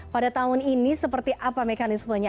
pada tahun ini seperti apa mekanismenya